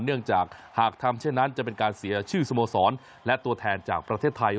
เนื่องจากหากทำเช่นนั้นจะเป็นการเสียชื่อสโมสรและตัวแทนจากประเทศไทย